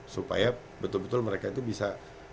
supaya betul betul mereka itu bisa